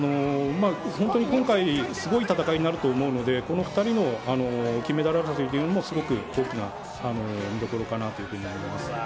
本当に今回はすごい戦いになると思うのでこの２人の金メダル争いもすごく大きな見どころかなというふうに思います。